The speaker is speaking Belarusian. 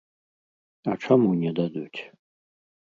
А чаму не дадуць?